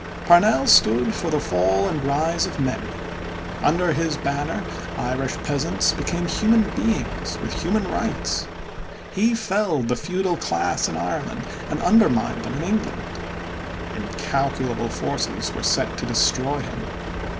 Parnell stood for the fall and rise of many. Under his banner Irish peasants became human beings with human rights. He felled the feudal class in Ireland and undermined them in England. Incalculable forces were set to destroy him.